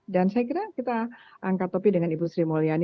dan saya kira kita angkat topi dengan ibu sri mulyani